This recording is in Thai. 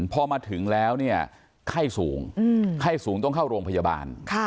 พอมาถึงแล้วเนี่ยไข้สูงไข้สูงต้องเข้าโรงพยาบาล